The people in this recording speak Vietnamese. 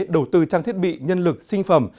đầu tư trang thiết bị nhân lực sinh phẩm